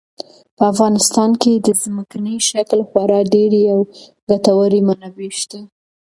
په افغانستان کې د ځمکني شکل خورا ډېرې او ګټورې منابع شته.